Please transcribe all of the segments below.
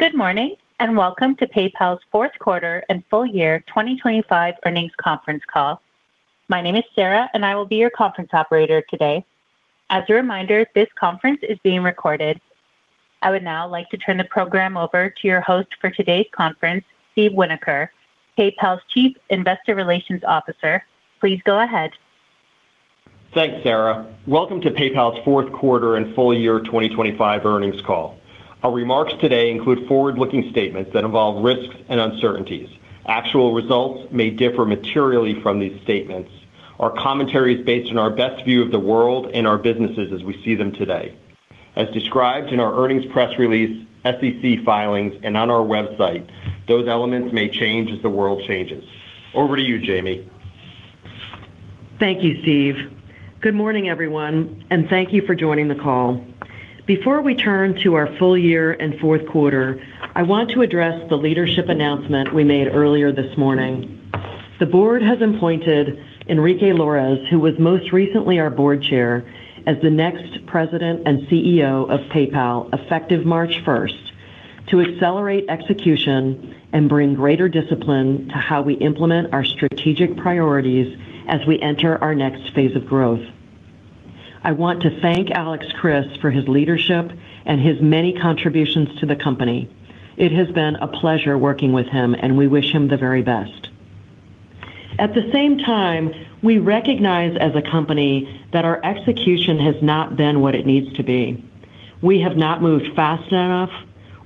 Good morning, and welcome to PayPal's fourth quarter and full year 2025 earnings conference call. My name is Sarah, and I will be your conference operator today. As a reminder, this conference is being recorded. I would now like to turn the program over to your host for today's conference, Steve Winoker, PayPal's Chief Investor Relations Officer. Please go ahead. Thanks, Sarah. Welcome to PayPal's fourth quarter and full year 2025 earnings call. Our remarks today include forward-looking statements that involve risks and uncertainties. Actual results may differ materially from these statements. Our commentary is based on our best view of the world and our businesses as we see them today. As described in our earnings press release, SEC filings, and on our website, those elements may change as the world changes. Over to you, Jamie. Thank you, Steve. Good morning, everyone, and thank you for joining the call. Before we turn to our full year and fourth quarter, I want to address the leadership announcement we made earlier this morning. The board has appointed Enrique Lores, who was most recently our Board Chair, as the next President and CEO of PayPal, effective March first, to accelerate execution and bring greater discipline to how we implement our strategic priorities as we enter our next phase of growth. I want to thank Alex Chriss for his leadership and his many contributions to the company. It has been a pleasure working with him, and we wish him the very best. At the same time, we recognize as a company that our execution has not been what it needs to be. We have not moved fast enough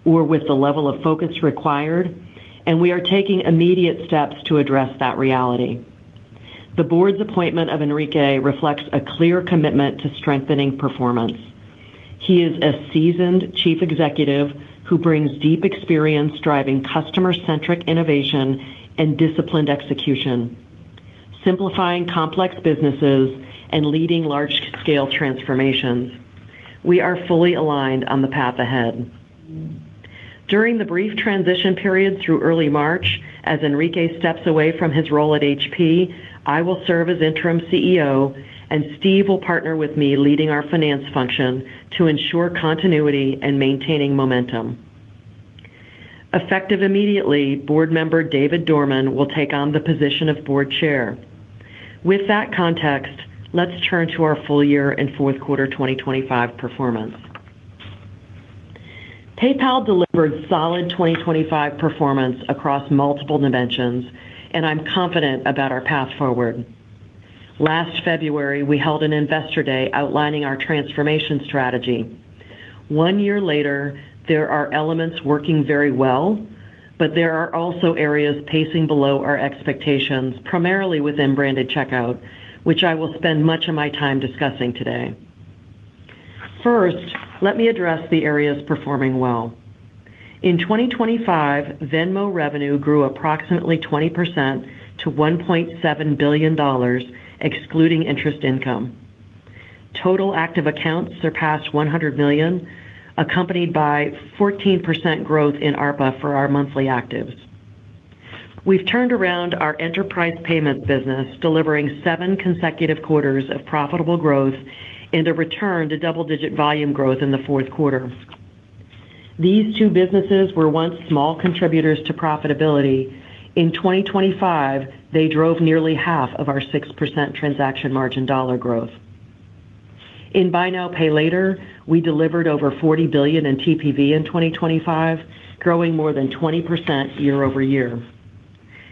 or with the level of focus required, and we are taking immediate steps to address that reality. The board's appointment of Enrique reflects a clear commitment to strengthening performance. He is a seasoned chief executive who brings deep experience driving customer-centric innovation and disciplined execution, simplifying complex businesses and leading large-scale transformations. We are fully aligned on the path ahead. During the brief transition period through early March, as Enrique steps away from his role at HP, I will serve as interim CEO, and Steve will partner with me, leading our finance function to ensure continuity and maintaining momentum. Effective immediately, board member David Dorman will take on the position of Board Chair. With that context, let's turn to our full year and fourth quarter 2025 performance. PayPal delivered solid 2025 performance across multiple dimensions, and I'm confident about our path forward. Last February, we held an investor day outlining our transformation strategy. One year later, there are elements working very well, but there are also areas pacing below our expectations, primarily within branded checkout, which I will spend much of my time discussing today. First, let me address the areas performing well. In 2025, Venmo revenue grew approximately 20% to $1.7 billion, excluding interest income. Total active accounts surpassed 100 million, accompanied by 14% growth in ARPA for our monthly actives. We've turned around our enterprise payment business, delivering seven consecutive quarters of profitable growth and a return to double-digit volume growth in the fourth quarter. These two businesses were once small contributors to profitability. In 2025, they drove nearly half of our 6% transaction margin dollar growth. In Buy Now, Pay Later, we delivered over $40 billion in TPV in 2025, growing more than 20% year-over-year.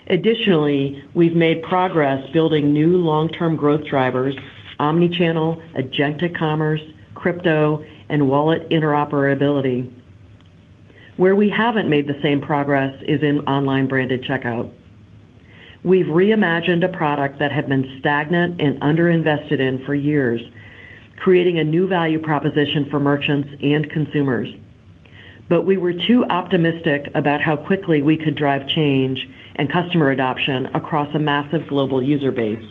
Additionally, we've made progress building new long-term growth drivers, omnichannel, agentic commerce, crypto, and wallet interoperability. Where we haven't made the same progress is in online branded checkout. We've reimagined a product that had been stagnant and underinvested in for years, creating a new value proposition for merchants and consumers. But we were too optimistic about how quickly we could drive change and customer adoption across a massive global user base.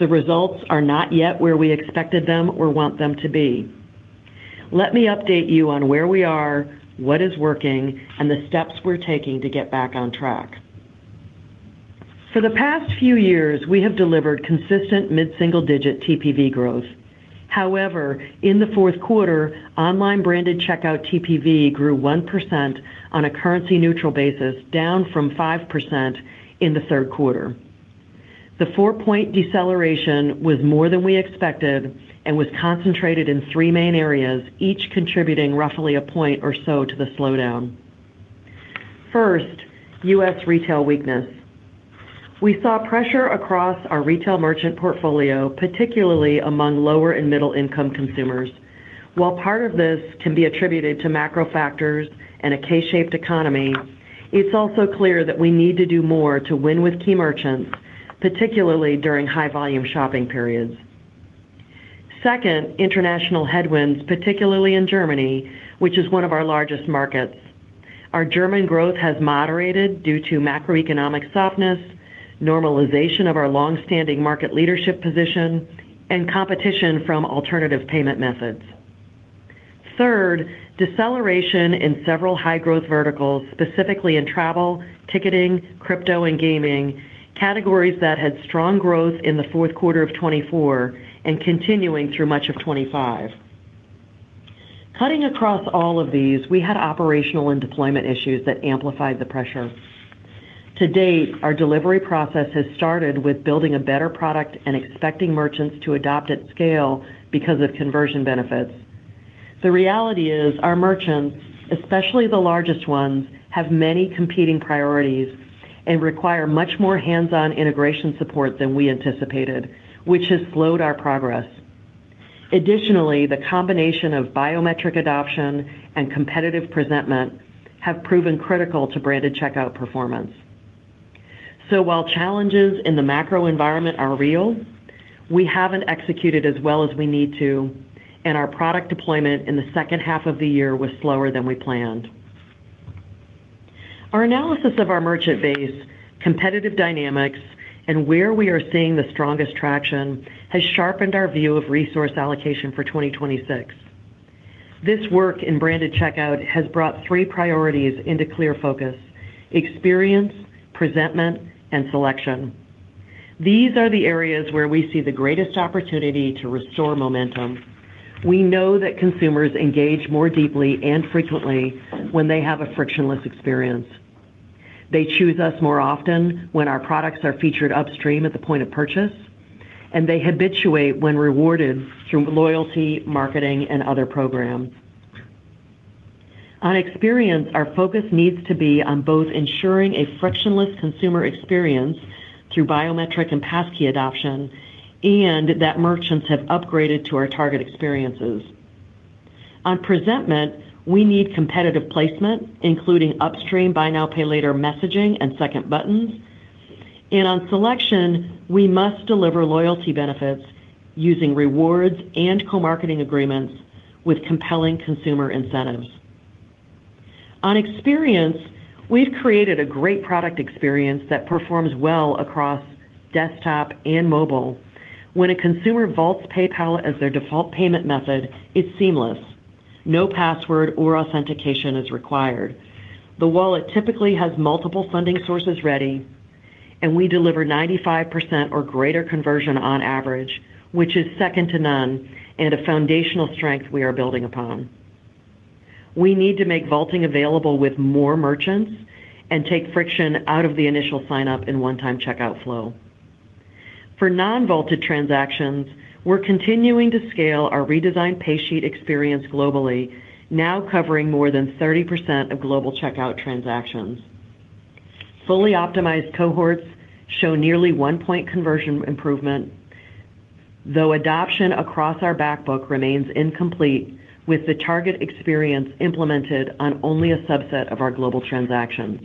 The results are not yet where we expected them or want them to be. Let me update you on where we are, what is working, and the steps we're taking to get back on track. For the past few years, we have delivered consistent mid-single-digit TPV growth. However, in the fourth quarter, online branded checkout TPV grew 1% on a currency neutral basis, down from 5% in the third quarter. The 4-point deceleration was more than we expected and was concentrated in three main areas, each contributing roughly a point or so to the slowdown. First, U.S. retail weakness. We saw pressure across our retail merchant portfolio, particularly among lower and middle-income consumers. While part of this can be attributed to macro factors and a K-shaped economy, it's also clear that we need to do more to win with key merchants, particularly during high-volume shopping periods. Second, international headwinds, particularly in Germany, which is one of our largest markets. Our German growth has moderated due to macroeconomic softness, normalization of our long-standing market leadership position, and competition from alternative payment methods. Third, deceleration in several high-growth verticals, specifically in travel, ticketing, crypto, and gaming, categories that had strong growth in the fourth quarter of 2024 and continuing through much of 2025. Cutting across all of these, we had operational and deployment issues that amplified the pressure. To date, our delivery process has started with building a better product and expecting merchants to adopt at scale because of conversion benefits. The reality is, our merchants, especially the largest ones, have many competing priorities and require much more hands-on integration support than we anticipated, which has slowed our progress. Additionally, the combination of biometric adoption and competitive presentment have proven critical to branded checkout performance. So while challenges in the macro environment are real, we haven't executed as well as we need to, and our product deployment in the second half of the year was slower than we planned. Our analysis of our merchant base, competitive dynamics, and where we are seeing the strongest traction, has sharpened our view of resource allocation for 2026. This work in branded checkout has brought three priorities into clear focus: experience, presentment, and selection. These are the areas where we see the greatest opportunity to restore momentum. We know that consumers engage more deeply and frequently when they have a frictionless experience. They choose us more often when our products are featured upstream at the point of purchase, and they habituate when rewarded through loyalty, marketing, and other programs. On Experience, our focus needs to be on both ensuring a frictionless consumer experience through biometric and passkey adoption, and that merchants have upgraded to our target experiences. On Presentment, we need competitive placement, including upstream, Buy Now, Pay Later messaging and second buttons. On Selection, we must deliver loyalty benefits using rewards and co-marketing agreements with compelling consumer incentives. On Experience, we've created a great product experience that performs well across desktop and mobile. When a consumer vaults PayPal as their default payment method, it's seamless. No password or authentication is required. The wallet typically has multiple funding sources ready, and we deliver 95% or greater conversion on average, which is second to none and a foundational strength we are building upon. We need to make vaulting available with more merchants and take friction out of the initial sign-up in one-time checkout flow. For non-vaulted transactions, we're continuing to scale our redesigned paysheet experience globally, now covering more than 30% of global checkout transactions. Fully optimized cohorts show nearly 1 point conversion improvement, though adoption across our back book remains incomplete, with the target experience implemented on only a subset of our global transactions.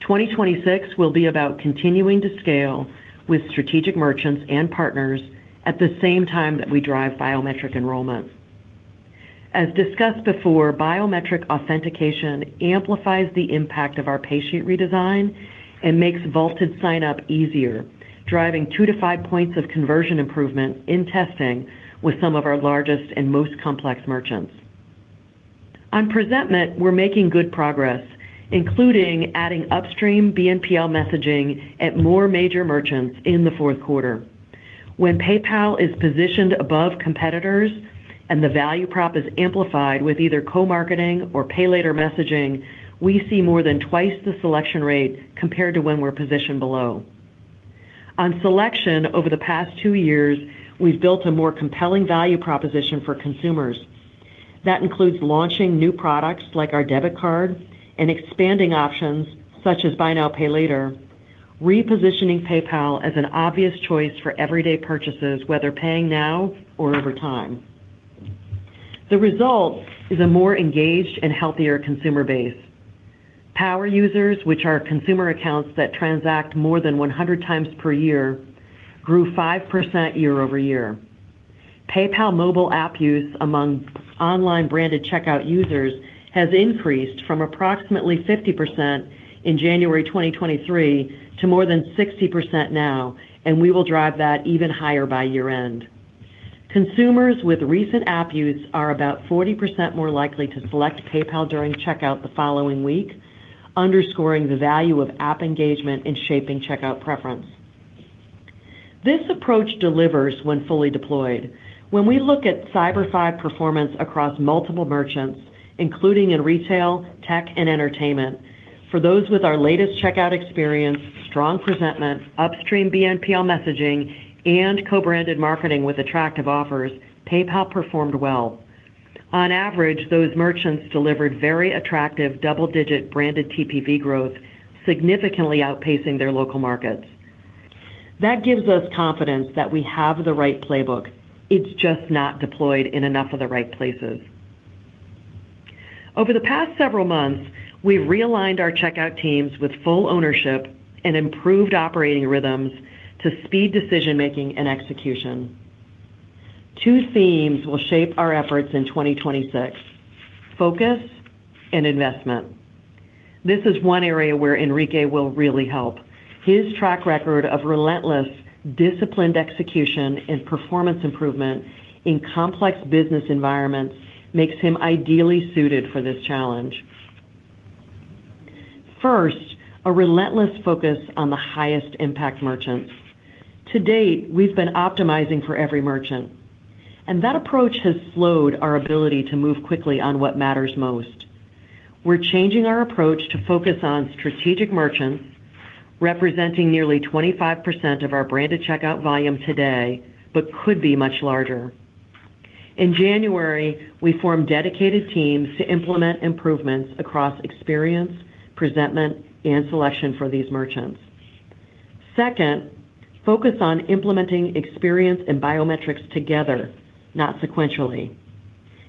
2026 will be about continuing to scale with strategic merchants and partners at the same time that we drive biometric enrollment. As discussed before, biometric authentication amplifies the impact of our paysheet redesign and makes vaulted sign-up easier, driving 2-5 points of conversion improvement in testing with some of our largest and most complex merchants. On presentment, we're making good progress, including adding upstream BNPL messaging at more major merchants in the fourth quarter. When PayPal is positioned above competitors and the value prop is amplified with either co-marketing or pay later messaging, we see more than twice the selection rate compared to when we're positioned below. On selection, over the past two years, we've built a more compelling value proposition for consumers. That includes launching new products like our debit card and expanding options such as buy now, pay later, repositioning PayPal as an obvious choice for everyday purchases, whether paying now or over time. The result is a more engaged and healthier consumer base. Power users, which are consumer accounts that transact more than 100 times per year, grew 5% year-over-year. PayPal mobile app use among online branded checkout users has increased from approximately 50% in January 2023 to more than 60% now, and we will drive that even higher by year-end. Consumers with recent app use are about 40% more likely to select PayPal during checkout the following week, underscoring the value of app engagement in shaping checkout preference. This approach delivers when fully deployed. When we look at Cyber Five performance across multiple merchants, including in retail, tech, and entertainment, for those with our latest checkout experience, strong presentment, upstream BNPL messaging, and co-branded marketing with attractive offers, PayPal performed well. On average, those merchants delivered very attractive double-digit branded TPV growth, significantly outpacing their local markets. That gives us confidence that we have the right playbook. It's just not deployed in enough of the right places. Over the past several months, we've realigned our checkout teams with full ownership and improved operating rhythms to speed decision-making and execution. Two themes will shape our efforts in 2026: Focus and Investment. This is one area where Enrique will really help. His track record of relentless, disciplined execution and performance improvement in complex business environments makes him ideally suited for this challenge.... First, a relentless focus on the highest impact merchants. To date, we've been optimizing for every merchant, and that approach has slowed our ability to move quickly on what matters most. We're changing our approach to focus on strategic merchants, representing nearly 25% of our branded checkout volume today, but could be much larger. In January, we formed dedicated teams to implement improvements across experience, presentment, and selection for these merchants. Second, focus on implementing experience and biometrics together, not sequentially.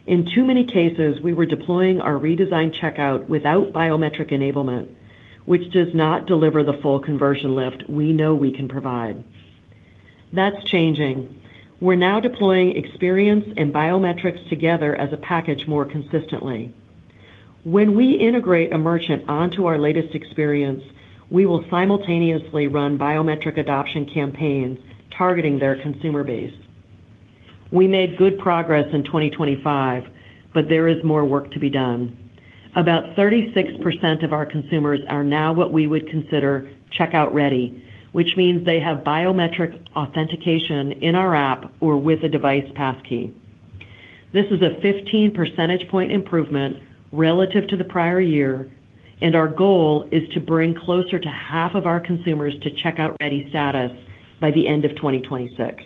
In too many cases, we were deploying our redesigned checkout without biometric enablement, which does not deliver the full conversion lift we know we can provide. That's changing. We're now deploying experience and biometrics together as a package more consistently. When we integrate a merchant onto our latest experience, we will simultaneously run biometric adoption campaigns targeting their consumer base. We made good progress in 2025, but there is more work to be done. About 36% of our consumers are now what we would consider checkout ready, which means they have biometric authentication in our app or with a device passkey. This is a 15 percentage point improvement relative to the prior year, and our goal is to bring closer to half of our consumers to checkout-ready status by the end of 2026.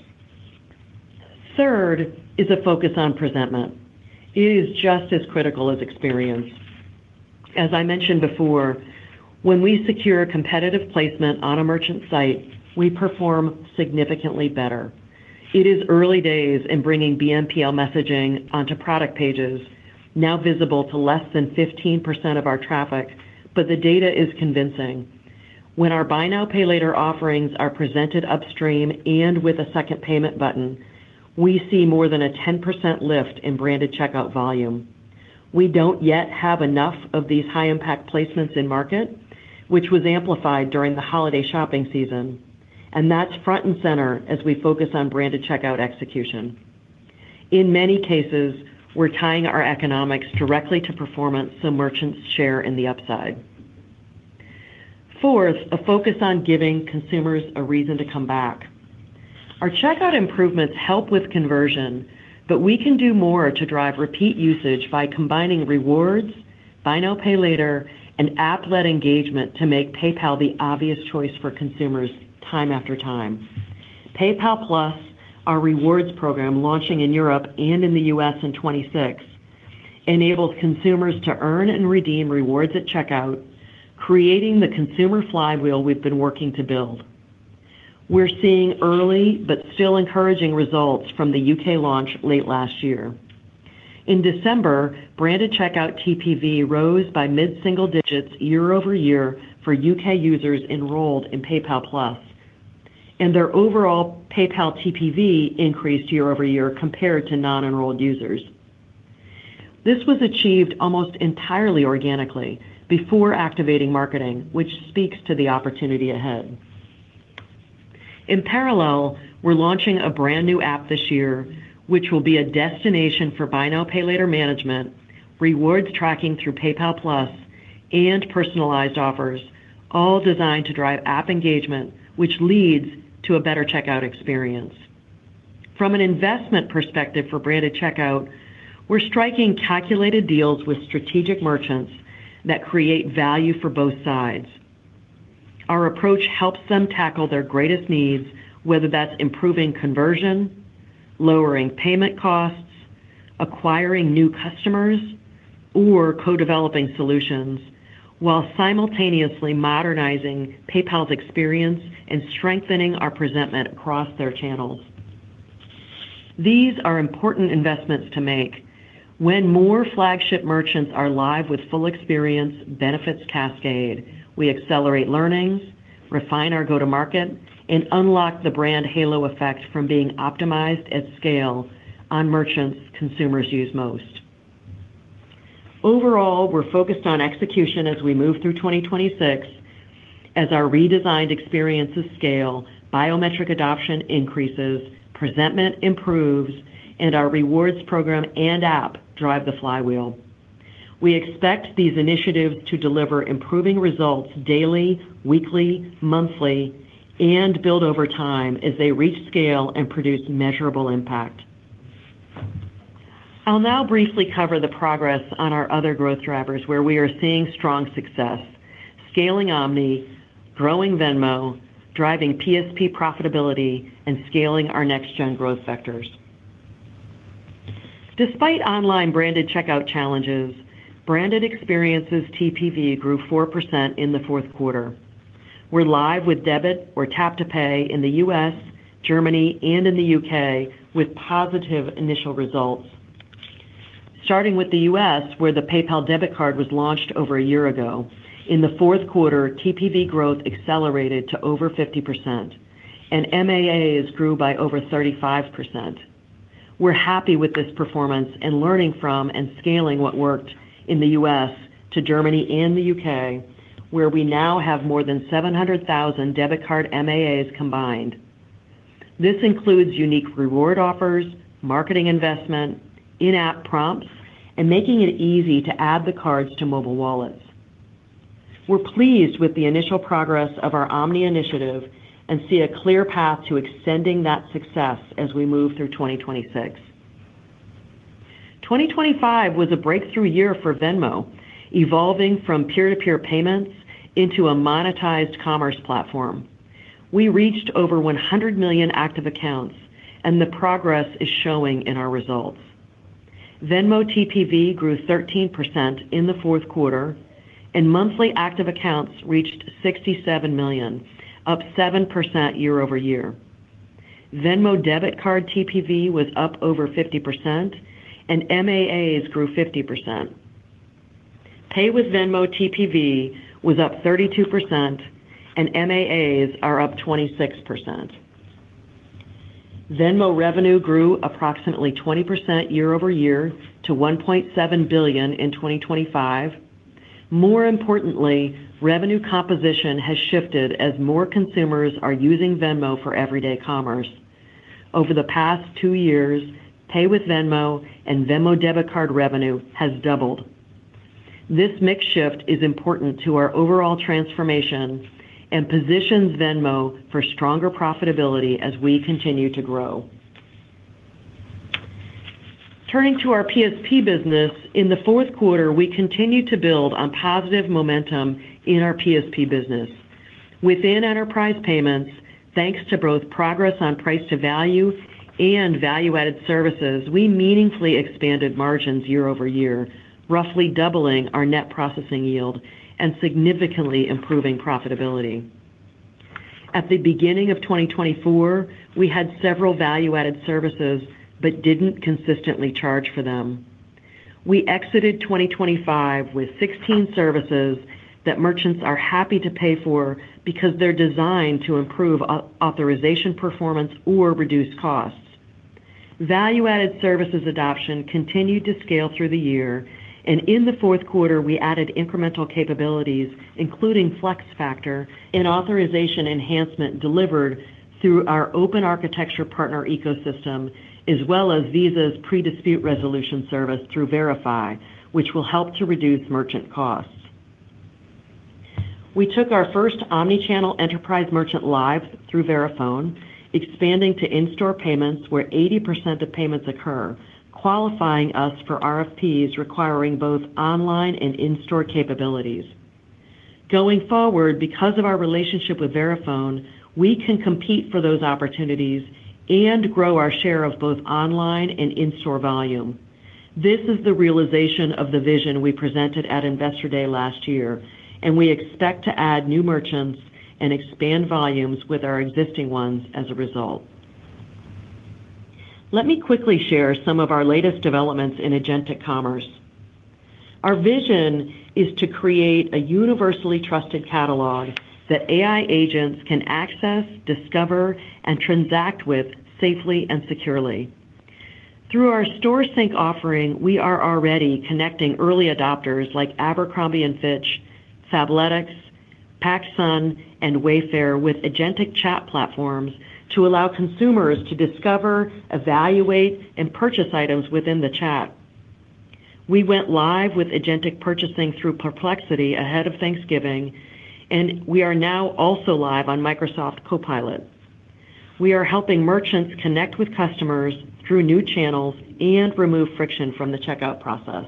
Third is a focus on presentment. It is just as critical as experience. As I mentioned before, when we secure competitive placement on a merchant site, we perform significantly better. It is early days in bringing BNPL messaging onto product pages, now visible to less than 15% of our traffic, but the data is convincing. When our buy now, pay later offerings are presented upstream and with a second payment button, we see more than a 10% lift in branded checkout volume. We don't yet have enough of these high-impact placements in market, which was amplified during the holiday shopping season, and that's front and center as we focus on branded checkout execution. In many cases, we're tying our economics directly to performance, so merchants share in the upside. Fourth, a focus on giving consumers a reason to come back. Our checkout improvements help with conversion, but we can do more to drive repeat usage by combining rewards, buy now, pay later, and app-led engagement to make PayPal the obvious choice for consumers time after time. PayPal+, our rewards program, launching in Europe and in the U.S. in 2026, enables consumers to earn and redeem rewards at checkout, creating the consumer flywheel we've been working to build. We're seeing early but still encouraging results from the U.K. launch late last year. In December, branded checkout TPV rose by mid-single digits year-over-year for U.K. users enrolled in PayPal+, and their overall PayPal TPV increased year-over-year compared to non-enrolled users. This was achieved almost entirely organically before activating marketing, which speaks to the opportunity ahead. In parallel, we're launching a brand-new app this year, which will be a destination for buy now, pay later management, rewards tracking through PayPal+, and personalized offers, all designed to drive app engagement, which leads to a better checkout experience. From an investment perspective for branded checkout, we're striking calculated deals with strategic merchants that create value for both sides. Our approach helps them tackle their greatest needs, whether that's improving conversion, lowering payment costs, acquiring new customers, or co-developing solutions, while simultaneously modernizing PayPal's experience and strengthening our presentment across their channels. These are important investments to make. When more flagship merchants are live with full experience, benefits cascade. We accelerate learnings, refine our go-to-market, and unlock the brand halo effect from being optimized at scale on merchants consumers use most. Overall, we're focused on execution as we move through 2026 as our redesigned experiences scale, biometric adoption increases, presentment improves, and our rewards program and app drive the flywheel. We expect these initiatives to deliver improving results daily, weekly, monthly, and build over time as they reach scale and produce measurable impact. I'll now briefly cover the progress on our other growth drivers, where we are seeing strong success, scaling omni, growing Venmo, driving PSP profitability, and scaling our next-gen growth vectors. Despite online branded checkout challenges, branded experiences TPV grew 4% in the fourth quarter. We're live with debit or tap-to-pay in the U.S., Germany, and in the U.K., with positive initial results. Starting with the U.S., where the PayPal Debit Card was launched over a year ago, in the fourth quarter, TPV growth accelerated to over 50%, and MAAs grew by over 35%. We're happy with this performance and learning from and scaling what worked in the US to Germany and the U.K., where we now have more than 700,000 debit card MAAs combined. This includes unique reward offers, marketing investment, in-app prompts, and making it easy to add the cards to mobile wallets. We're pleased with the initial progress of our omni initiative and see a clear path to extending that success as we move through 2026. 2025 was a breakthrough year for Venmo, evolving from peer-to-peer payments into a monetized commerce platform. We reached over 100 million active accounts, and the progress is showing in our results. Venmo TPV grew 13% in the fourth quarter, and monthly active accounts reached 67 million, up 7% year-over-year. Venmo Debit Card TPV was up over 50%, and MAAs grew 50%. Pay with Venmo TPV was up 32%, and MAAs are up 26%. Venmo revenue grew approximately 20% year-over-year to $1.7 billion in 2025. More importantly, revenue composition has shifted as more consumers are using Venmo for everyday commerce. Over the past two years, Pay with Venmo and Venmo Debit Card revenue has doubled. This mix shift is important to our overall transformation and positions Venmo for stronger profitability as we continue to grow. Turning to our PSP business, in the fourth quarter, we continued to build on positive momentum in our PSP business. Within enterprise payments, thanks to both progress on price-to-value and value-added services, we meaningfully expanded margins year-over-year, roughly doubling our net processing yield and significantly improving profitability. At the beginning of 2024, we had several value-added services but didn't consistently charge for them. We exited 2025 with 16 services that merchants are happy to pay for because they're designed to improve authorization, performance, or reduce costs. Value-added services adoption continued to scale through the year, and in the fourth quarter, we added incremental capabilities, including FlexFactor, an authorization enhancement delivered through our open architecture partner ecosystem, as well as Visa's pre-dispute resolution service through Verifi, which will help to reduce merchant costs. We took our first omnichannel enterprise merchant live through Verifone, expanding to in-store payments, where 80% of payments occur, qualifying us for RFPs, requiring both online and in-store capabilities. Going forward, because of our relationship with Verifone, we can compete for those opportunities and grow our share of both online and in-store volume. This is the realization of the vision we presented at Investor Day last year, and we expect to add new merchants and expand volumes with our existing ones as a result. Let me quickly share some of our latest developments in agentic commerce. Our vision is to create a universally trusted catalog that AI agents can access, discover, and transact with safely and securely. Through our Store Sync offering, we are already connecting early adopters like Abercrombie & Fitch, Fabletics, PacSun, and Wayfair with agentic chat platforms to allow consumers to discover, evaluate, and purchase items within the chat. We went live with agentic purchasing through Perplexity ahead of Thanksgiving, and we are now also live on Microsoft Copilot. We are helping merchants connect with customers through new channels and remove friction from the checkout process.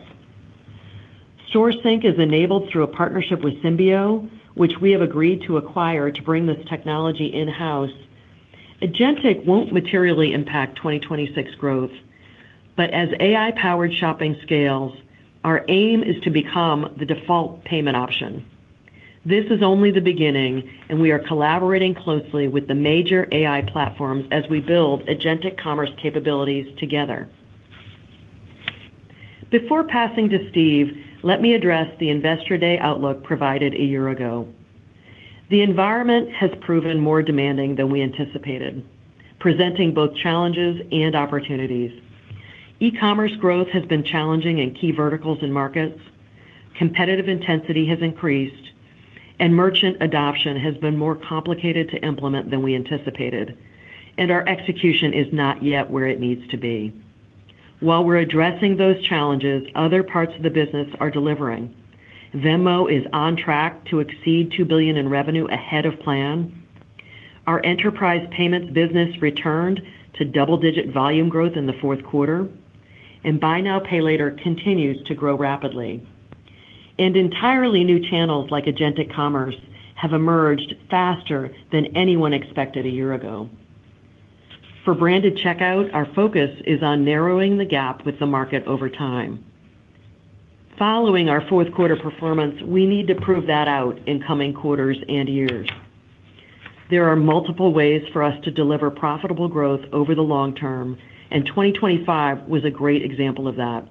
Store Sync is enabled through a partnership with Cymbio, which we have agreed to acquire to bring this technology in-house. Agentic won't materially impact 2026 growth, but as AI-powered shopping scales, our aim is to become the default payment option. This is only the beginning, and we are collaborating closely with the major AI platforms as we build agentic commerce capabilities together. Before passing to Steve, let me address the Investor Day outlook provided a year ago. The environment has proven more demanding than we anticipated, presenting both challenges and opportunities. E-commerce growth has been challenging in key verticals and markets, competitive intensity has increased, and merchant adoption has been more complicated to implement than we anticipated, and our execution is not yet where it needs to be. While we're addressing those challenges, other parts of the business are delivering. Venmo is on track to exceed $2 billion in revenue ahead of plan. Our enterprise payments business returned to double-digit volume growth in the fourth quarter, and buy now, pay later, continues to grow rapidly. Entirely new channels, like agentic commerce, have emerged faster than anyone expected a year ago. For branded checkout, our focus is on narrowing the gap with the market over time. Following our fourth quarter performance, we need to prove that out in coming quarters and years. There are multiple ways for us to deliver profitable growth over the long term, and 2025 was a great example of that.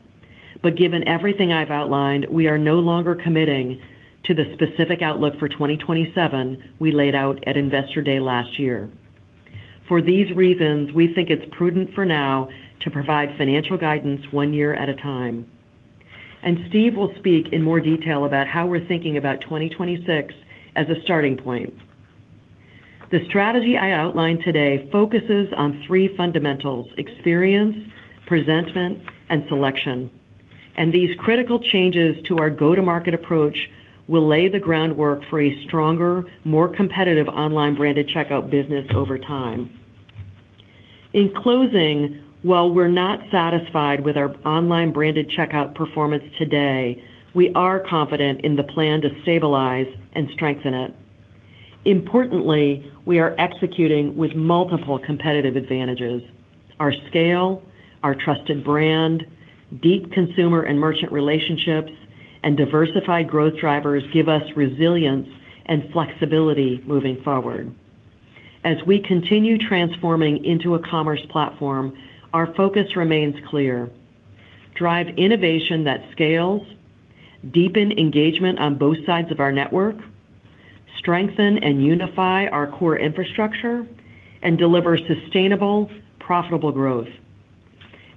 But given everything I've outlined, we are no longer committing to the specific outlook for 2027 we laid out at Investor Day last year. For these reasons, we think it's prudent for now to provide financial guidance one year at a time... and Steve will speak in more detail about how we're thinking about 2026 as a starting point. The strategy I outlined today focuses on three fundamentals: experience, presentment, and selection. And these critical changes to our go-to-market approach will lay the groundwork for a stronger, more competitive online branded checkout business over time. In closing, while we're not satisfied with our online branded checkout performance today, we are confident in the plan to stabilize and strengthen it. Importantly, we are executing with multiple competitive advantages. Our scale, our trusted brand, deep consumer and merchant relationships, and diversified growth drivers give us resilience and flexibility moving forward. As we continue transforming into a commerce platform, our focus remains clear: drive innovation that scales, deepen engagement on both sides of our network, strengthen and unify our core infrastructure, and deliver sustainable, profitable growth.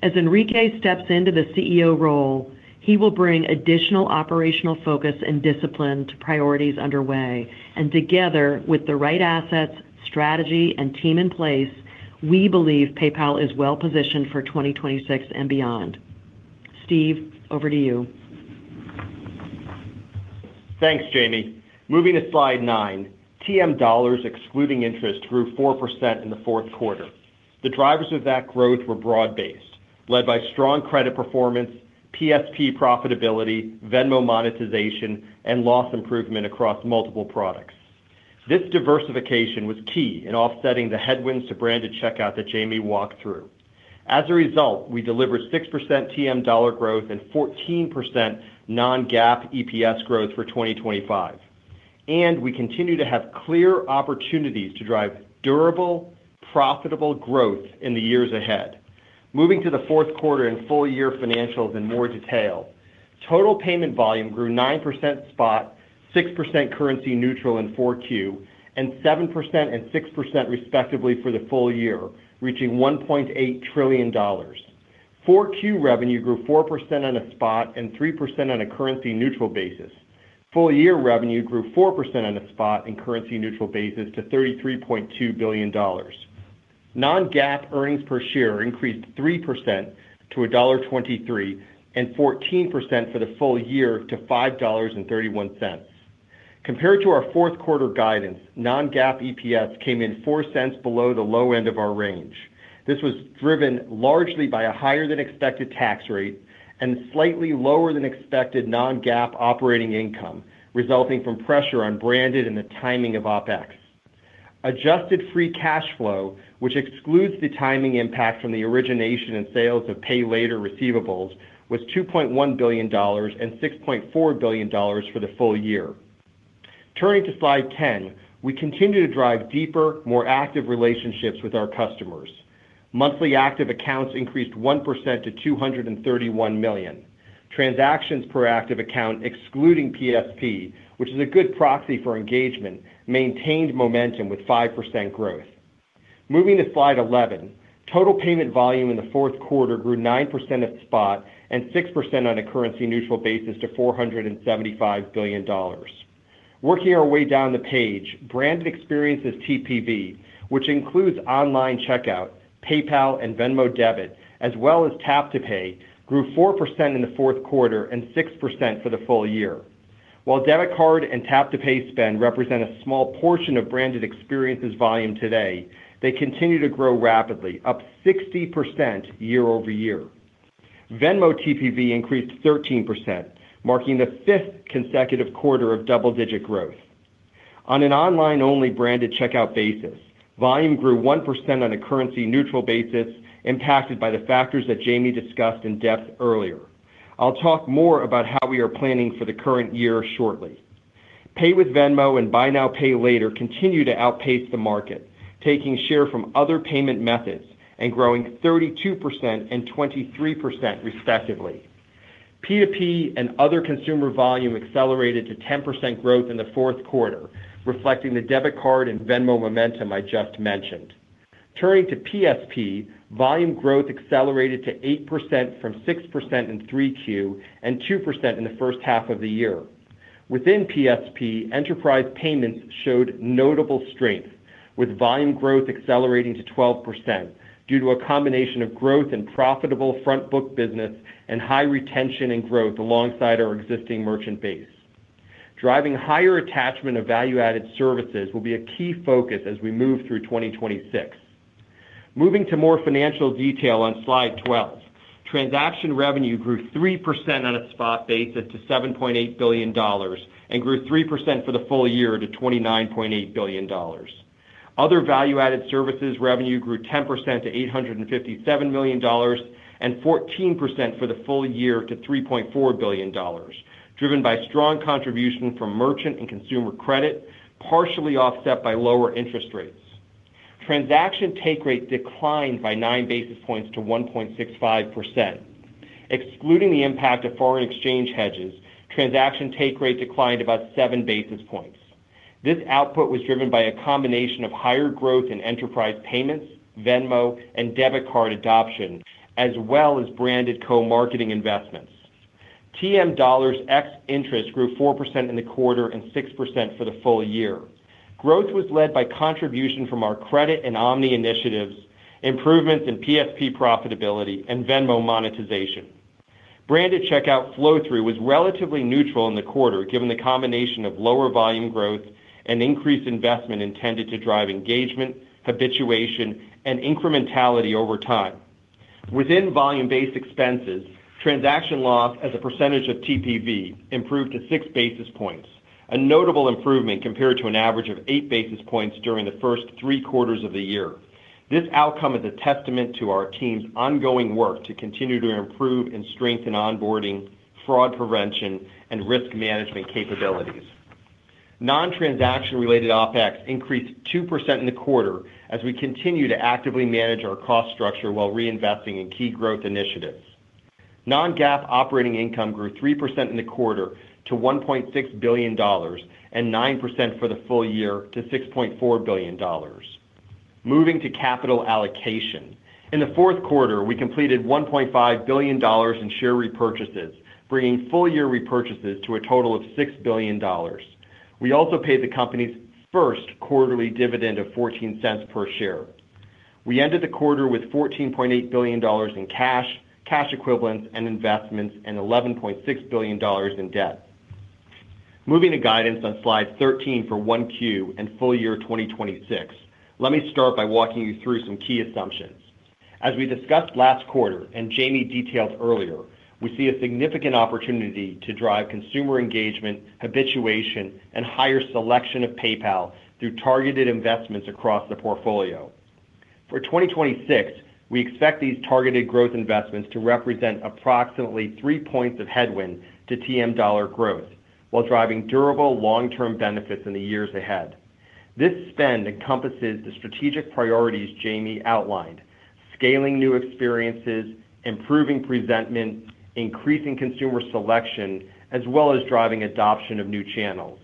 As Enrique steps into the CEO role, he will bring additional operational focus and discipline to priorities underway, and together, with the right assets, strategy, and team in place, we believe PayPal is well positioned for 2026 and beyond. Steve, over to you. Thanks, Jamie. Moving to slide nine, TM dollars, excluding interest, grew 4% in the fourth quarter. The drivers of that growth were broad-based, led by strong credit performance, PSP profitability, Venmo monetization, and loss improvement across multiple products. This diversification was key in offsetting the headwinds to branded checkout that Jamie walked through. As a result, we delivered 6% TM dollar growth and 14% non-GAAP EPS growth for 2025, and we continue to have clear opportunities to drive durable, profitable growth in the years ahead. Moving to the fourth quarter and full year financials in more detail. Total payment volume grew 9% spot, 6% currency neutral in 4Q, and 7% and 6%, respectively, for the full year, reaching $1.8 trillion. 4Q revenue grew 4% on a spot and 3% on a currency neutral basis. Full year revenue grew 4% on a spot and currency neutral basis to $33.2 billion. Non-GAAP earnings per share increased 3% to $1.23, and 14% for the full year to $5.31. Compared to our fourth quarter guidance, non-GAAP EPS came in $0.04 below the low end of our range. This was driven largely by a higher than expected tax rate and slightly lower than expected non-GAAP operating income, resulting from pressure on branded and the timing of OpEx. Adjusted free cash flow, which excludes the timing impact from the origination and sales of pay later receivables, was $2.1 billion and $6.4 billion for the full year. Turning to Slide 10, we continue to drive deeper, more active relationships with our customers. Monthly active accounts increased 1% to 231 million. Transactions per active account, excluding PSP, which is a good proxy for engagement, maintained momentum with 5% growth. Moving to Slide 11, total payment volume in the fourth quarter grew 9% at spot and 6% on a currency neutral basis to $475 billion. Working our way down the page, branded experiences TPV, which includes online checkout, PayPal and Venmo debit, as well as tap-to-pay, grew 4% in the fourth quarter and 6% for the full year. While debit card and tap-to-pay spend represent a small portion of branded experiences volume today, they continue to grow rapidly, up 60% year-over-year. Venmo TPV increased 13%, marking the 5th consecutive quarter of double-digit growth. On an online-only branded checkout basis, volume grew 1% on a currency neutral basis, impacted by the factors that Jamie discussed in depth earlier. I'll talk more about how we are planning for the current year shortly. Pay with Venmo and Buy Now, Pay Later continue to outpace the market, taking share from other payment methods and growing 32% and 23%, respectively. P2P and other consumer volume accelerated to 10% growth in the fourth quarter, reflecting the debit card and Venmo momentum I just mentioned. Turning to PSP, volume growth accelerated to 8% from 6% in 3Q, and 2% in the first half of the year. Within PSP, enterprise payments showed notable strength, with volume growth accelerating to 12% due to a combination of growth and profitable front book business and high retention and growth alongside our existing merchant base. Driving higher attachment of value-added services will be a key focus as we move through 2026. Moving to more financial detail on Slide 12. Transaction revenue grew 3% on a spot basis to $7.8 billion and grew 3% for the full year to $29.8 billion. Other value-added services revenue grew 10% to $857 million, and 14% for the full year to $3.4 billion, driven by strong contribution from merchant and consumer credit, partially offset by lower interest rates. Transaction take rate declined by 9 basis points to 1.65%. Excluding the impact of foreign exchange hedges, transaction take rate declined about 7 basis points... This output was driven by a combination of higher growth in enterprise payments, Venmo, and debit card adoption, as well as branded co-marketing investments. TM dollars ex-interest grew 4% in the quarter and 6% for the full year. Growth was led by contribution from our credit and omni initiatives, improvements in PSP profitability, and Venmo monetization. Branded checkout flow-through was relatively neutral in the quarter, given the combination of lower volume growth and increased investment intended to drive engagement, habituation, and incrementality over time. Within volume-based expenses, transaction loss as a percentage of TPV improved to 6 basis points, a notable improvement compared to an average of 8 basis points during the first three quarters of the year. This outcome is a testament to our team's ongoing work to continue to improve and strengthen onboarding, fraud prevention, and risk management capabilities. Nontransaction-related OpEx increased 2% in the quarter as we continue to actively manage our cost structure while reinvesting in key growth initiatives. Non-GAAP operating income grew 3% in the quarter to $1.6 billion, and 9% for the full year to $6.4 billion. Moving to capital allocation. In the fourth quarter, we completed $1.5 billion in share repurchases, bringing full-year repurchases to a total of $6 billion. We also paid the company's first quarterly dividend of $0.14 per share. We ended the quarter with $14.8 billion in cash, cash equivalents, and investments, and $11.6 billion in debt. Moving to guidance on slide 13 for 1Q and full year 2026. Let me start by walking you through some key assumptions. As we discussed last quarter, and Jamie detailed earlier, we see a significant opportunity to drive consumer engagement, habituation, and higher selection of PayPal through targeted investments across the portfolio. For 2026, we expect these targeted growth investments to represent approximately 3 points of headwind to TM dollar growth, while driving durable long-term benefits in the years ahead. This spend encompasses the strategic priorities Jamie outlined, scaling new experiences, improving presentment, increasing consumer selection, as well as driving adoption of new channels.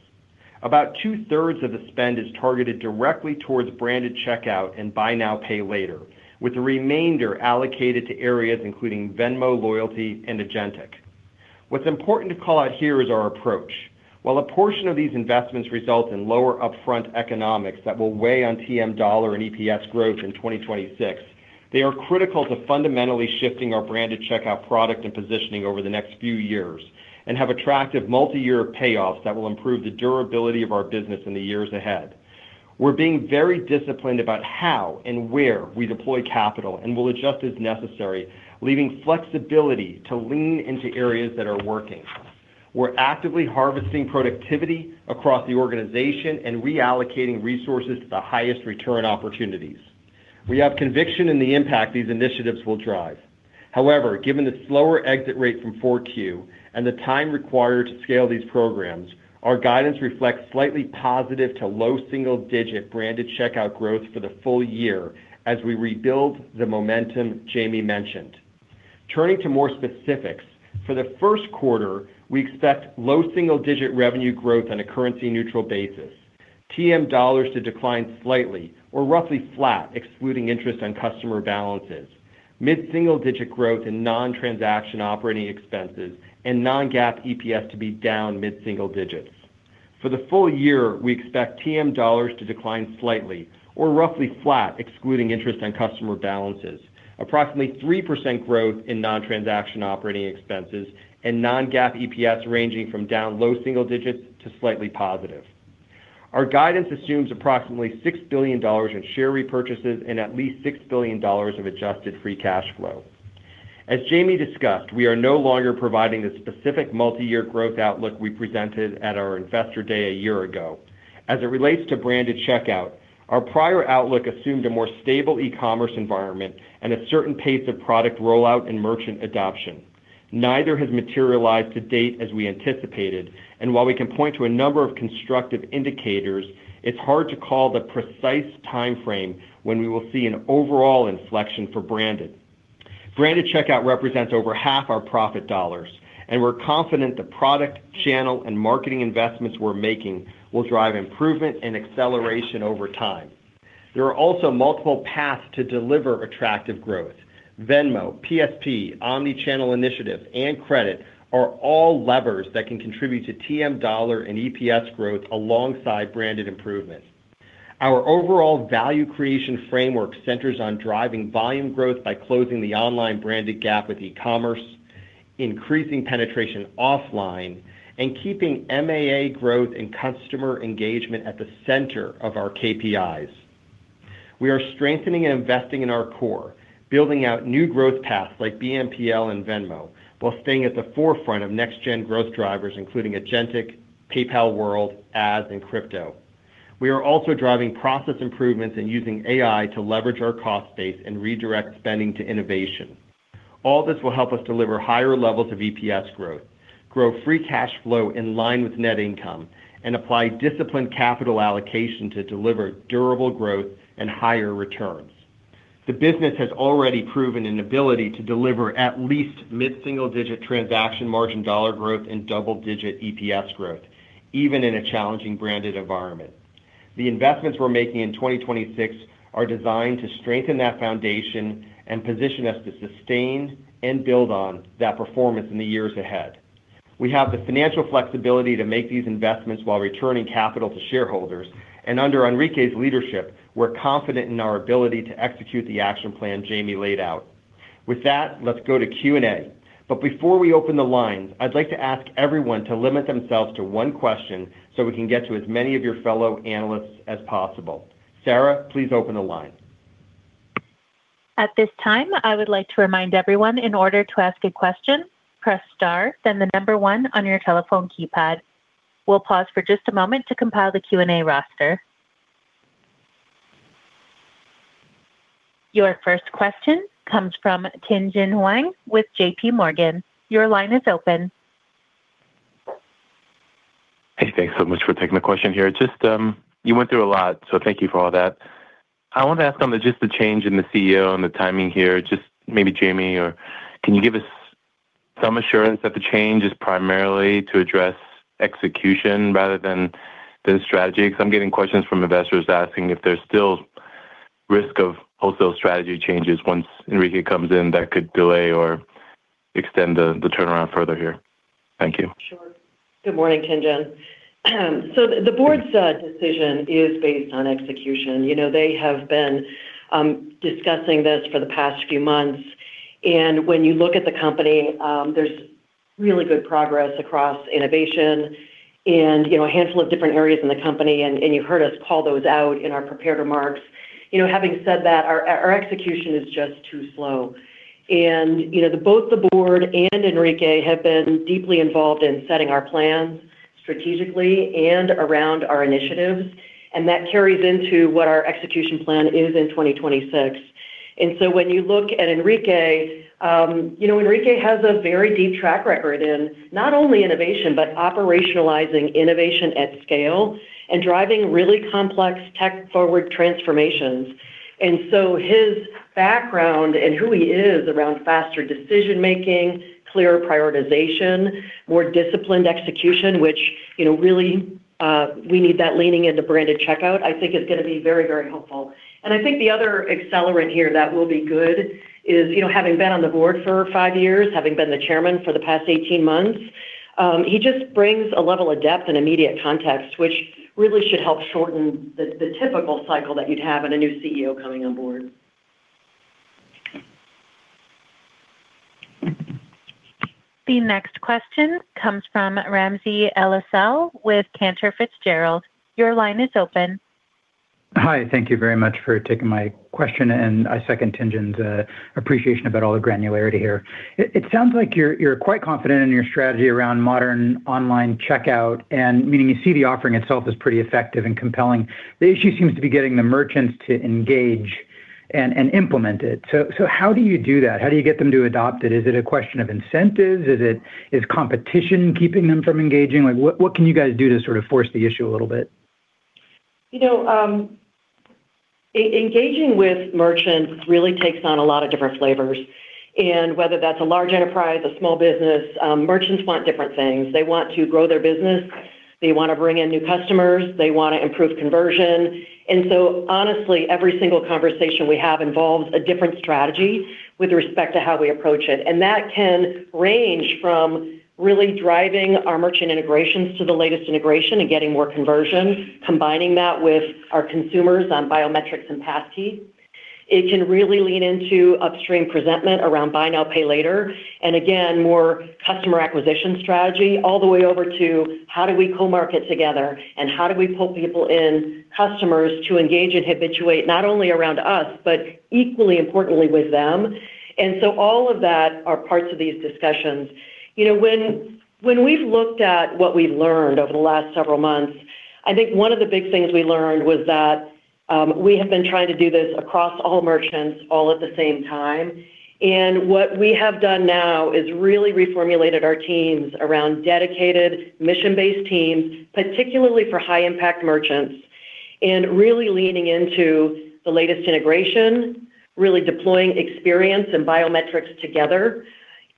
About two-thirds of the spend is targeted directly towards branded checkout and buy now, pay later, with the remainder allocated to areas including Venmo, Loyalty, and agentic. What's important to call out here is our approach. While a portion of these investments result in lower upfront economics that will weigh on TM dollar and EPS growth in 2026, they are critical to fundamentally shifting our branded checkout product and positioning over the next few years, and have attractive multi-year payoffs that will improve the durability of our business in the years ahead. We're being very disciplined about how and where we deploy capital and will adjust as necessary, leaving flexibility to lean into areas that are working. We're actively harvesting productivity across the organization and reallocating resources to the highest return opportunities. We have conviction in the impact these initiatives will drive. However, given the slower exit rate from 4Q and the time required to scale these programs, our guidance reflects slightly positive to low single-digit branded checkout growth for the full year as we rebuild the momentum Jamie mentioned. Turning to more specifics. For the first quarter, we expect low single-digit revenue growth on a currency-neutral basis, TM dollars to decline slightly or roughly flat, excluding interest on customer balances, mid-single-digit growth in non-transaction operating expenses, and non-GAAP EPS to be down mid-single digits. For the full year, we expect TM dollars to decline slightly or roughly flat, excluding interest on customer balances. Approximately 3% growth in non-transaction operating expenses and non-GAAP EPS ranging from down low single digits to slightly positive. Our guidance assumes approximately $6 billion in share repurchases and at least $6 billion of adjusted free cash flow. As Jamie discussed, we are no longer providing the specific multi-year growth outlook we presented at our Investor Day a year ago. As it relates to branded checkout, our prior outlook assumed a more stable e-commerce environment and a certain pace of product rollout and merchant adoption. Neither has materialized to date as we anticipated, and while we can point to a number of constructive indicators, it's hard to call the precise timeframe when we will see an overall inflection for branded. Branded checkout represents over half our profit dollars, and we're confident the product, channel, and marketing investments we're making will drive improvement and acceleration over time. There are also multiple paths to deliver attractive growth. Venmo, PSP, omni-channel initiatives, and credit are all levers that can contribute to TM dollar and EPS growth alongside branded improvements. Our overall value creation framework centers on driving volume growth by closing the online branded gap with e-commerce, increasing penetration offline, and keeping MAA growth and customer engagement at the center of our KPIs. We are strengthening and investing in our core, building out new growth paths like BNPL and Venmo, while staying at the forefront of next-gen growth drivers, including agentic, PayPal World, ads, and crypto. We are also driving process improvements and using AI to leverage our cost base and redirect spending to innovation. All this will help us deliver higher levels of EPS growth, grow free cash flow in line with net income, and apply disciplined capital allocation to deliver durable growth and higher returns. The business has already proven an ability to deliver at least mid-single-digit transaction margin dollar growth and double-digit EPS growth, even in a challenging branded environment. The investments we're making in 2026 are designed to strengthen that foundation and position us to sustain and build on that performance in the years ahead. We have the financial flexibility to make these investments while returning capital to shareholders, and under Enrique's leadership, we're confident in our ability to execute the action plan Jamie laid out. With that, let's go to Q&A. Before we open the lines, I'd like to ask everyone to limit themselves to one question so we can get to as many of your fellow analysts as possible. Sarah, please open the line. At this time, I would like to remind everyone, in order to ask a question, press star, then the number one on your telephone keypad. We'll pause for just a moment to compile the Q&A roster. Your first question comes from Tien-Tsin Huang with JPMorgan. Your line is open. Hey, thanks so much for taking the question here. Just, you went through a lot, so thank you for all that. I want to ask on just the change in the CEO and the timing here, just maybe Jamie, or can you give us some assurance that the change is primarily to address execution rather than strategy? Because I'm getting questions from investors asking if there's still risk of wholesale strategy changes once Enrique comes in, that could delay or extend the turnaround further here. Thank you. Sure. Good morning, Tien-Tsin. So the board's decision is based on execution. You know, they have been discussing this for the past few months, and when you look at the company, there's really good progress across innovation and, you know, a handful of different areas in the company, and you heard us call those out in our prepared remarks. You know, having said that, our execution is just too slow. And, you know, both the board and Enrique have been deeply involved in setting our plans strategically and around our initiatives, and that carries into what our execution plan is in 2026. And so when you look at Enrique, you know, Enrique has a very deep track record in not only innovation, but operationalizing innovation at scale and driving really complex tech-forward transformations. And so his background and who he is around faster decision-making, clear prioritization, more disciplined execution, which, you know, really, we need that leaning into branded checkout, I think is going to be very, very helpful. And I think the other accelerant here that will be good is, you know, having been on the board for five years, having been the chairman for the past 18 months, he just brings a level of depth and immediate context, which really should help shorten the typical cycle that you'd have in a new CEO coming on board. The next question comes from Ramsey El-Assal with Cantor Fitzgerald. Your line is open. Hi, thank you very much for taking my question, and I second Tien-tsin's appreciation about all the granularity here. It sounds like you're quite confident in your strategy around modern online checkout, and meaning you see the offering itself as pretty effective and compelling. The issue seems to be getting the merchants to engage and implement it. So how do you do that? How do you get them to adopt it? Is it a question of incentives? Is it competition keeping them from engaging? Like, what can you guys do to sort of force the issue a little bit? You know, engaging with merchants really takes on a lot of different flavors, and whether that's a large enterprise, a small business, merchants want different things. They want to grow their business, they want to bring in new customers, they want to improve conversion. And so honestly, every single conversation we have involves a different strategy with respect to how we approach it. And that can range from really driving our merchant integrations to the latest integration and getting more conversion, combining that with our consumers on biometrics and passkey. It can really lean into Upstream Presentment around Buy Now, Pay Later, and again, more customer acquisition strategy, all the way over to how do we co-market together and how do we pull people in, customers to engage and habituate, not only around us, but equally importantly with them. And so all of that are parts of these discussions. You know, when we've looked at what we've learned over the last several months, I think one of the big things we learned was that we have been trying to do this across all merchants, all at the same time. And what we have done now is really reformulated our teams around dedicated mission-based teams, particularly for high-impact merchants, and really leaning into the latest integration, really deploying experience and biometrics together,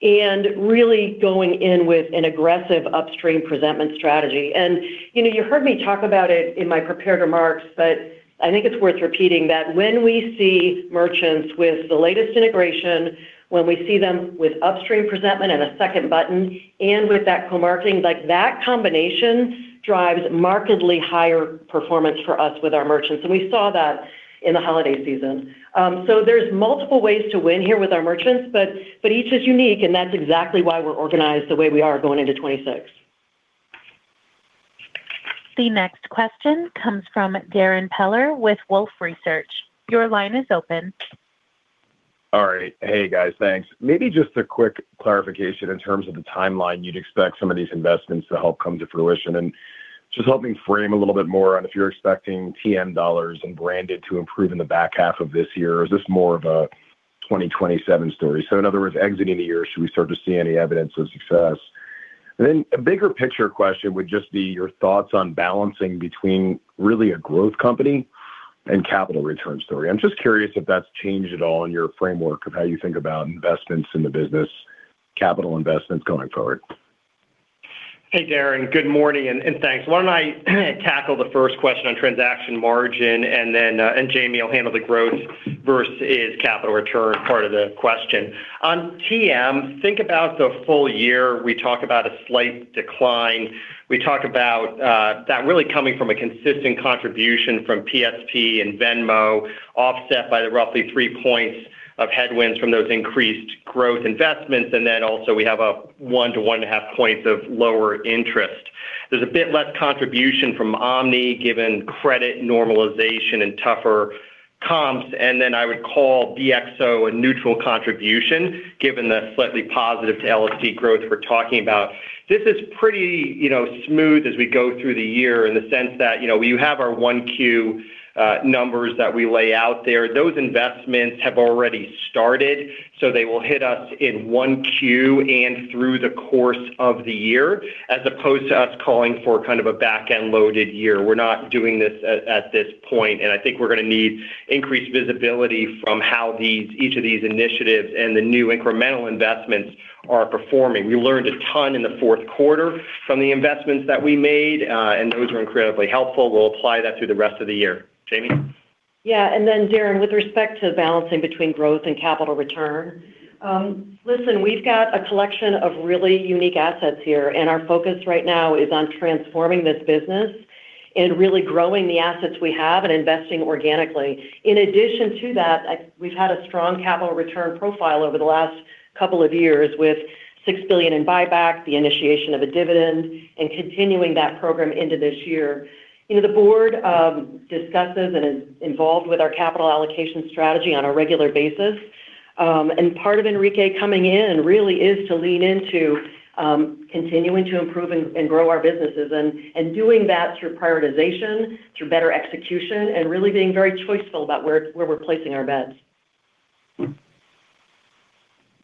and really going in with an aggressive upstream presentment strategy. And you know, you heard me talk about it in my prepared remarks, but I think it's worth repeating that when we see merchants with the latest integration, when we see them with upstream presentment and a second button, and with that co-marketing, like, that combination drives markedly higher performance for us with our merchants, and we saw that in the holiday season. So there's multiple ways to win here with our merchants, but each is unique, and that's exactly why we're organized the way we are going into 2026. The next question comes from Darrin Peller with Wolfe Research. Your line is open. All right. Hey, guys. Thanks. Maybe just a quick clarification in terms of the timeline, you'd expect some of these investments to help come to fruition. And just help me frame a little bit more on if you're expecting TM dollars and branded to improve in the back half of this year, or is this more of a-... 2027 story. So in other words, exiting the year, should we start to see any evidence of success? And then a bigger picture question would just be your thoughts on balancing between really a growth company and capital return story. I'm just curious if that's changed at all in your framework of how you think about investments in the business, capital investments going forward. Hey, Darrin, good morning, and thanks. Why don't I tackle the first question on transaction margin, and then, and Jamie will handle the growth versus capital return part of the question. On TM, think about the full year, we talk about a slight decline. We talk about, that really coming from a consistent contribution from PSP and Venmo, offset by the roughly 3 points of headwinds from those increased growth investments, and then also we have a 1-1.5 points of lower interest. There's a bit less contribution from Omni, given credit normalization and tougher comps, and then I would call c a neutral contribution, given the slightly positive to LSC growth we're talking about. This is pretty, you know, smooth as we go through the year in the sense that, you know, we have our Q1 numbers that we lay out there. Those investments have already started, so they will hit us in 1Q and through the course of the year, as opposed to us calling for kind of a back-end loaded year. We're not doing this at this point, and I think we're going to need increased visibility from how these, each of these initiatives and the new incremental investments are performing. We learned a ton in the fourth quarter from the investments that we made, and those were incredibly helpful. We'll apply that through the rest of the year. Jamie? Yeah, and then Darrin, with respect to balancing between growth and capital return, listen, we've got a collection of really unique assets here, and our focus right now is on transforming this business and really growing the assets we have and investing organically. In addition to that, we've had a strong capital return profile over the last couple of years, with $6 billion in buyback, the initiation of a dividend, and continuing that program into this year. You know, the board discusses and is involved with our capital allocation strategy on a regular basis. And part of Enrique coming in really is to lean into continuing to improve and, and grow our businesses, and, and doing that through prioritization, through better execution, and really being very choiceful about where, where we're placing our bets.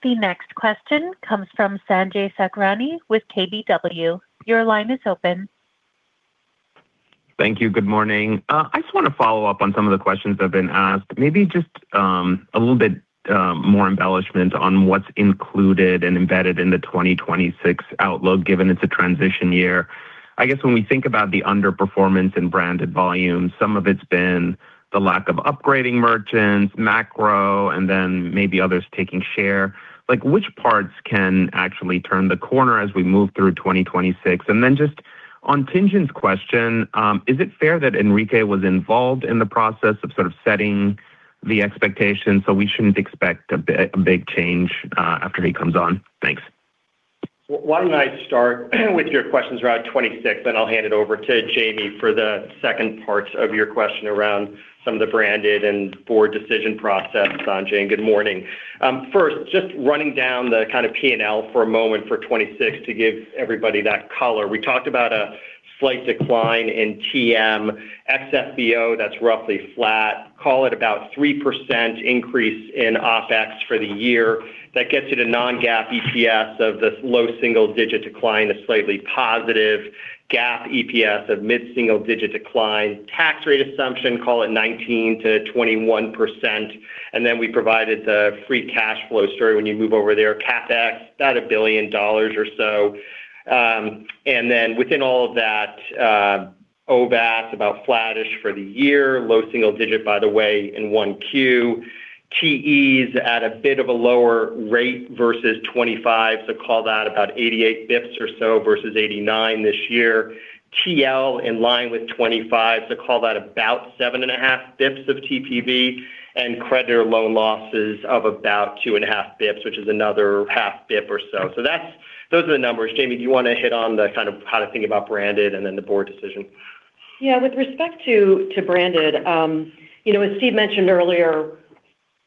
The next question comes from Sanjay Sakhrani with KBW. Your line is open. Thank you. Good morning. I just want to follow up on some of the questions that have been asked. Maybe just a little bit more embellishment on what's included and embedded in the 2026 outlook, given it's a transition year. I guess when we think about the underperformance in branded volumes, some of it's been the lack of upgrading merchants, macro, and then maybe others taking share. Like, which parts can actually turn the corner as we move through 2026? And then just on Tien-Tsin's question, is it fair that Enrique was involved in the process of sort of setting the expectations, so we shouldn't expect a big change after he comes on? Thanks. Why don't I start with your questions around 2026, then I'll hand it over to Jamie for the second part of your question around some of the branded and board decision process, Sanjay, and good morning. First, just running down the kind of P&L for a moment for 2026 to give everybody that color. We talked about a slight decline in TM. ex-FBO, that's roughly flat. Call it about 3% increase in OpEx for the year. That gets you to non-GAAP EPS of this low single-digit decline, a slightly positive GAAP EPS of mid-single digit decline. Tax rate assumption, call it 19%-21%. And then we provided the free cash flow story when you move over there, CapEx, about $1 billion or so. And then within all of that, OVAS about flattish for the year, low single digit, by the way, in 1Q. TEs at a bit of a lower rate versus 25, so call that about 88 basis points or so versus 89 this year. TL in line with 25, so call that about 7.5 basis points of TPV and credit or loan losses of about 2.5 basis points, which is another 0.5 basis points or so. So that's those are the numbers. Jamie, do you want to hit on the kind of how to think about branded and then the board decision? Yeah, with respect to branded, you know, as Steve mentioned earlier,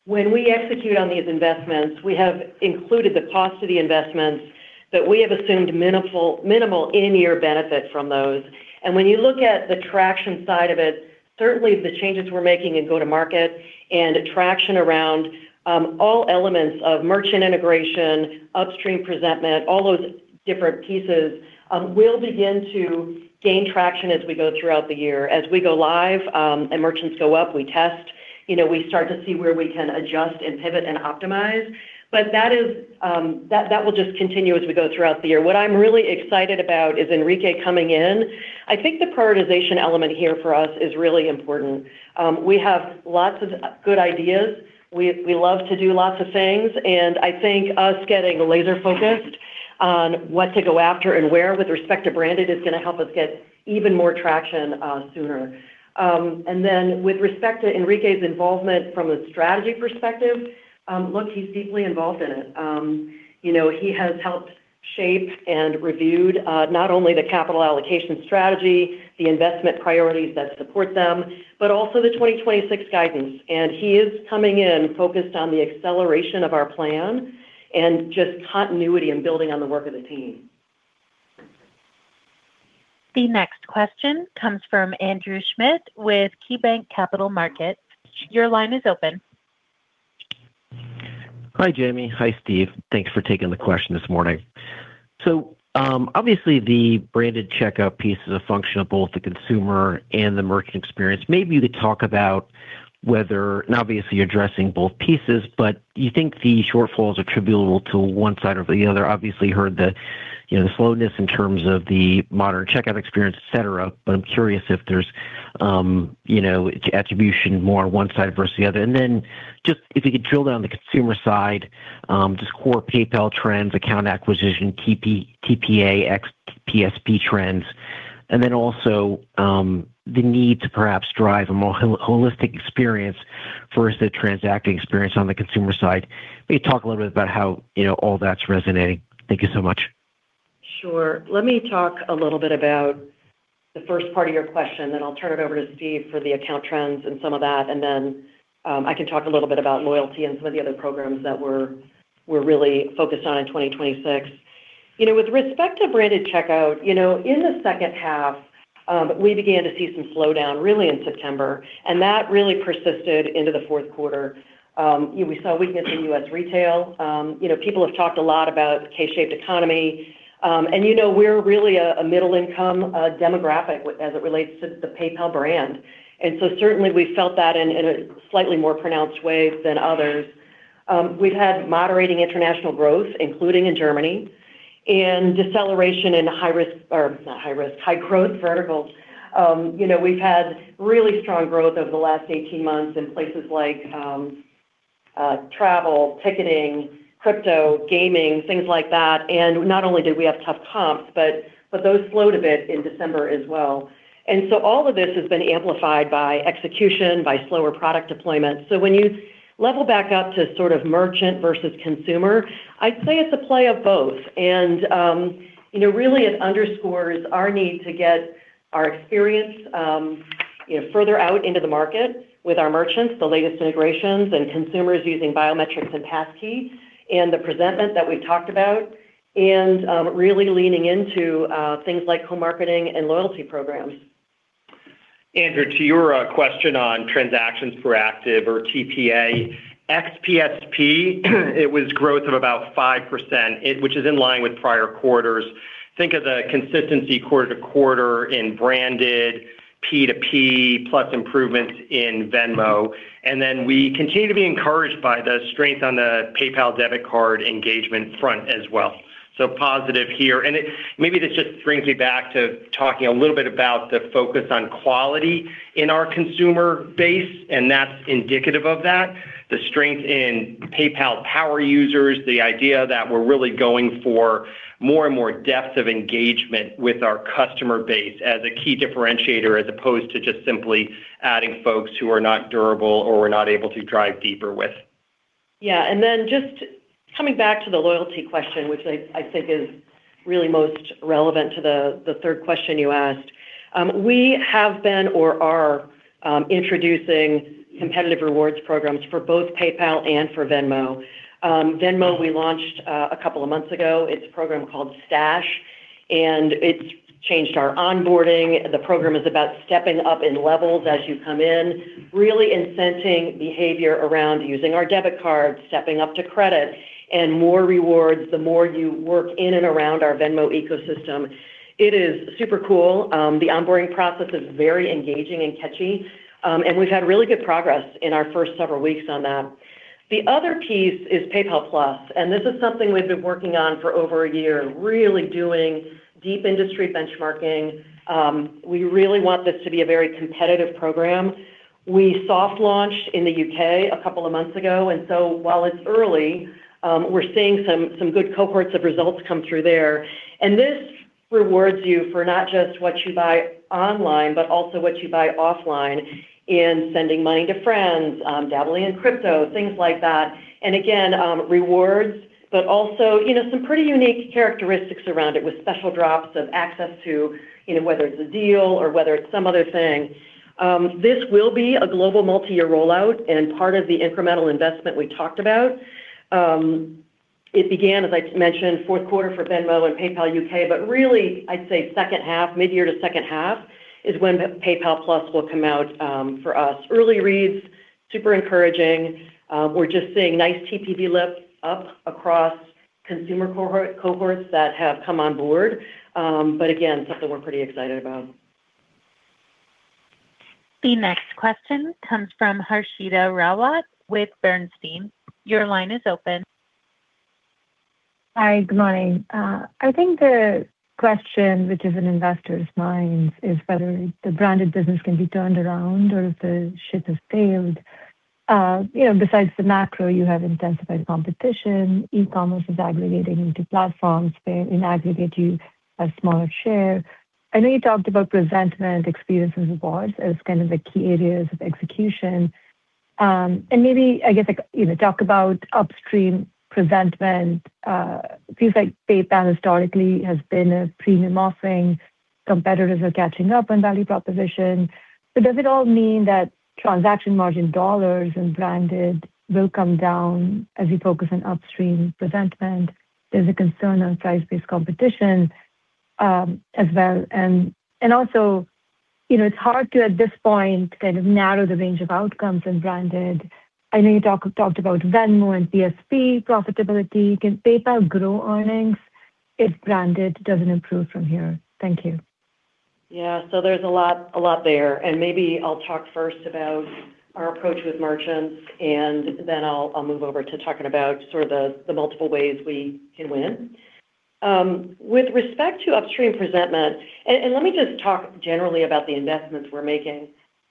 when we execute on these investments, we have included the cost of the investments, but we have assumed minimal in-year benefit from those. And when you look at the traction side of it, certainly the changes we're making in go-to-market and traction around all elements of merchant integration, upstream presentment, all those different pieces, will begin to gain traction as we go throughout the year. As we go live, and merchants go up, we test, you know, we start to see where we can adjust and pivot and optimize. But that is, that will just continue as we go throughout the year. What I'm really excited about is Enrique coming in. I think the prioritization element here for us is really important. We have lots of good ideas. We love to do lots of things, and I think us getting laser-focused on what to go after and where with respect to branded is going to help us get even more traction sooner. And then with respect to Enrique's involvement from a strategy perspective, look, he's deeply involved in it. You know, he has helped shape and reviewed not only the capital allocation strategy, the investment priorities that support them, but also the 2026 guidance. And he is coming in focused on the acceleration of our plan and just continuity and building on the work of the team. The next question comes from Andrew Schmidt with KeyBanc Capital Markets. Your line is open. Hi, Jamie. Hi, Steve. Thanks for taking the question this morning. So, obviously, the branded checkout piece is a function of both the consumer and the merchant experience. Maybe you could talk about whether... And obviously, you're addressing both pieces, but do you think the shortfalls are attributable to one side or the other? Obviously heard the, you know, the slowness in terms of the modern checkout experience, et cetera, but I'm curious if there's, you know, attribution more on one side versus the other. And then just if you could drill down on the consumer side, just core PayPal trends, account acquisition, TPV, ARPA, EPS trends, and then also, the need to perhaps drive a more holistic experience versus the transacting experience on the consumer side. Maybe talk a little bit about how, you know, all that's resonating. Thank you so much. Sure. Let me talk a little bit about the first part of your question, then I'll turn it over to Steve for the account trends and some of that, and then I can talk a little bit about loyalty and some of the other programs that we're really focused on in 2026. You know, with respect to branded checkout, you know, in the second half, we began to see some slowdown really in September, and that really persisted into the fourth quarter. We saw weakness in U.S. retail. You know, people have talked a lot about K-shaped economy. And you know, we're really a middle-income demographic as it relates to the PayPal brand. And so certainly we felt that in a slightly more pronounced way than others. We've had moderating international growth, including in Germany, and deceleration in high-risk, or not high risk, high-growth verticals. You know, we've had really strong growth over the last 18 months in places like travel, ticketing, crypto, gaming, things like that. And not only did we have tough comps, but those slowed a bit in December as well. And so all of this has been amplified by execution, by slower product deployment. So when you level back up to sort of merchant versus consumer, I'd say it's a play of both. And you know, really it underscores our need to get our experience you know, further out into the market with our merchants, the latest integrations, and consumers using biometrics and passkey, and the presentment that we talked about, and really leaning into things like co-marketing and loyalty programs. Andrew, to your question on transactions per active or TPA, ex-PSP, it was growth of about 5%, which is in line with prior quarters. Think of the consistency quarter to quarter in branded, P2P, plus improvements in Venmo, and then we continue to be encouraged by the strength on the PayPal Debit Card engagement front as well. So positive here. And maybe this just brings me back to talking a little bit about the focus on quality in our consumer base, and that's indicative of that. The strength in PayPal power users, the idea that we're really going for more and more depth of engagement with our customer base as a key differentiator, as opposed to just simply adding folks who are not durable or we're not able to drive deeper with. Yeah. And then just coming back to the loyalty question, which I think is really most relevant to the third question you asked. We have been or are introducing competitive rewards programs for both PayPal and for Venmo. Venmo, we launched a couple of months ago. It's a program called Stash, and it's changed our onboarding. The program is about stepping up in levels as you come in, really incenting behavior around using our debit card, stepping up to credit, and more rewards the more you work in and around our Venmo ecosystem. It is super cool. The onboarding process is very engaging and catchy, and we've had really good progress in our first several weeks on that. The other piece is PayPal+, and this is something we've been working on for over a year, really doing deep industry benchmarking. We really want this to be a very competitive program. We soft launched in the U.K. a couple of months ago, and so while it's early, we're seeing some good cohorts of results come through there. And this rewards you for not just what you buy online, but also what you buy offline in sending money to friends, dabbling in crypto, things like that. And again, rewards, but also, you know, some pretty unique characteristics around it with special drops of access to, you know, whether it's a deal or whether it's some other thing. This will be a global multi-year rollout and part of the incremental investment we talked about. It began, as I mentioned, fourth quarter for Venmo and PayPal U.K., but really, I'd say second half, midyear to second half, is when PayPal+ will come out, for us. Early reads, super encouraging. We're just seeing nice TPV lift up across consumer cohort, cohorts that have come on board. But again, something we're pretty excited about. The next question comes from Harshita Rawat with Bernstein. Your line is open. Hi, good morning. I think the question which is in investors' minds is whether the branded business can be turned around or if the ship has failed. You know, besides the macro, you have intensified competition, e-commerce is aggregating into platforms where in aggregate you have smaller share. I know you talked about presentment, experience, and rewards as kind of the key areas of execution. And maybe, I guess, like, you know, talk about upstream presentment. Seems like PayPal historically has been a premium offering. Competitors are catching up on value proposition.... But does it all mean that transaction margin dollars and branded will come down as you focus on upstream presentment? There's a concern on price-based competition, as well. And also, you know, it's hard to, at this point, kind of narrow the range of outcomes in branded. I know you talked about Venmo and PSP profitability. Can PayPal grow earnings if branded doesn't improve from here? Thank you. Yeah. So there's a lot, a lot there, and maybe I'll talk first about our approach with merchants, and then I'll move over to talking about sort of the multiple ways we can win. With respect to upstream presentment, let me just talk generally about the investments we're making.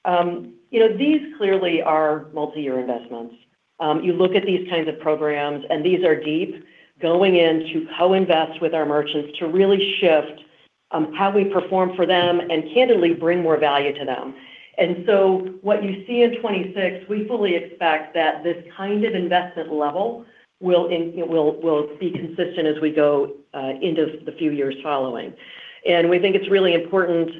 You know, these clearly are multi-year investments. You look at these kinds of programs, and these are deep, going in to co-invest with our merchants to really shift how we perform for them and candidly bring more value to them. And so what you see in 2026, we fully expect that this kind of investment level will be consistent as we go into the few years following. We think it's really important,